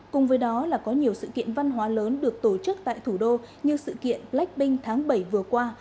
cùng với đó là có nhiều sự kiện văn hóa lớn được tổ chức tại thủ đô như sự kiện blackpink tháng bảy vừa qua